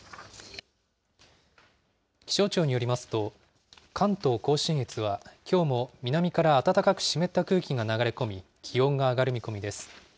気象庁によりますと、関東甲信越は、きょうも南から暖かく湿った空気が流れ込み、気温が上がる見込みです。